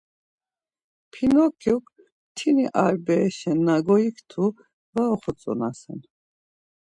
Pinokyok mtini ar bereşe na goiktu var oxotzonasen.